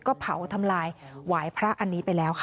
ก็เผาทำลายหวายพระอันนี้ไปแล้วค่ะ